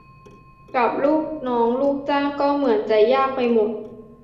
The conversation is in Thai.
กับลูกน้องลูกจ้างก็เหมือนจะยากไปหมด